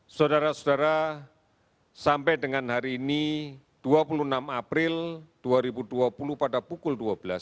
saudara saudara sampai dengan hari ini dua puluh enam april dua ribu dua puluh pada pukul dua belas tiga puluh